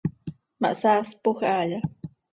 ¿Ma hsaaspoj haaya?